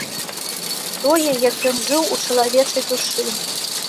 Тое, як ён жыў у чалавечай душы.